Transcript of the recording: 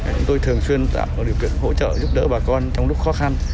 chúng tôi thường xuyên tạo điều kiện hỗ trợ giúp đỡ bà con trong lúc khó khăn